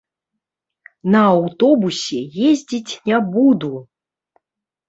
На аўтобусе ездзіць не буду!